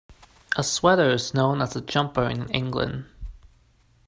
A sweater is known as a jumper in England.